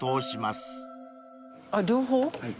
あっ両方？